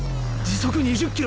時速２０．２ｋｍ。